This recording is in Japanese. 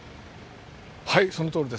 そのとおりです。